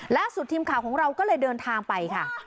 ล่าสุดทีมข่าวของเราก็เลยเดินทางไปค่ะ